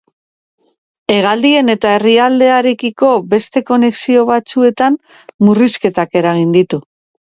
Hegaldien eta herrialdearekiko beste konexio batzuetan murrizketak eragin ditu.